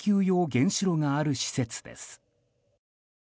用原子炉がある施設です。